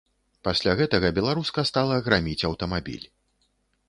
Пасля гэтага беларуска стала граміць аўтамабіль.